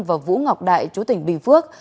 và vũ ngọc đại chúa tỉnh bình phước